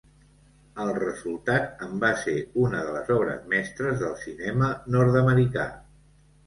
El resultat en va ser una de les obres mestres del cinema nord-americà.